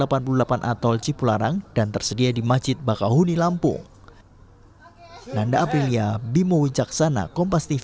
pemudik dapat menemukan atol cipularang dan tersedia di masjid bakahuni lampung